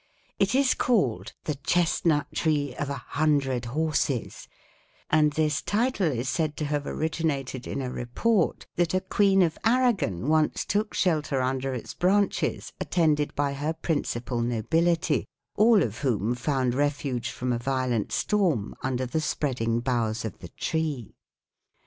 It is called 'The Chestnut Tree of a Hundred Horses,' and this title is said to have originated in a report that a queen of Aragon once took shelter under its branches attended by her principal nobility, all of whom found refuge from a violent storm under the spreading boughs of the tree.